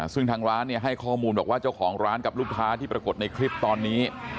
ซึ่งทางร้านให้ข้อมูลบอกว่าเจ้าของร้านกับลูกค้าที่ปรากฏในคลิปตอนนี้